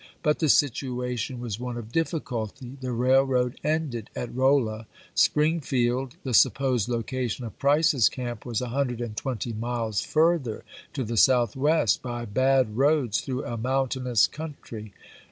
But the situ ation was one of difficulty. The railroad ended at Rolla ; Springfield, the supposed location of Price's camp, was a hundred and twenty miles further to the Southwest, by bad roads through a mountainous country.